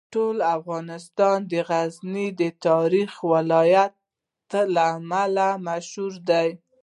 ټول افغانستان د غزني د تاریخي ولایت له امله مشهور دی.